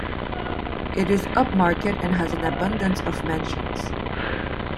It is upmarket and has an abundance of mansions.